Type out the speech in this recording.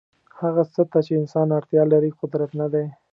هغه څه ته چې انسان اړتیا لري قدرت نه دی.